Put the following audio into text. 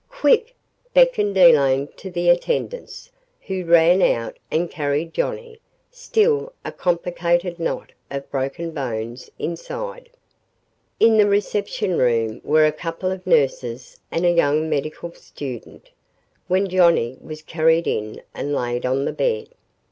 "Quick!" beckoned Elaine to the attendants, who ran out and carried Johnnie, still a complicated knot of broken bones, inside. In the reception room were a couple of nurses and a young medical student, when Johnnie was carried in and laid on the bed.